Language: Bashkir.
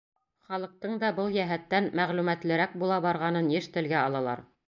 Халыҡтың да был йәһәттән мәғлүмәтлерәк була барғанын йыш телгә алалар.